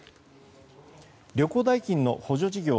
旅行代金の補助事業